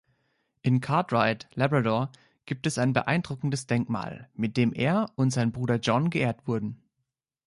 In Cartwright, Labrador, gibt es ein beeindruckendes Denkmal, mit dem er und sein Bruder John geehrt wurden.